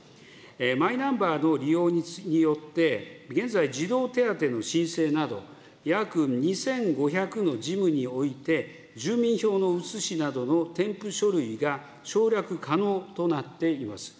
マイナンバーの利用によって、現在、児童手当の申請など、約２５００の事務において、住民票の写しなどの添付書類が省略可能となっています。